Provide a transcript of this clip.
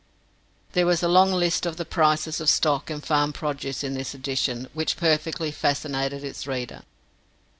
There was a long list of the prices of stock and farm produce in this edition, which perfectly fascinated its reader.